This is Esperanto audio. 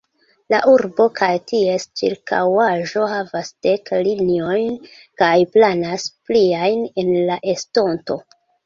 La urbo kaj ties ĉirkaŭaĵo havas dek liniojn kaj planas pliajn en la estonto.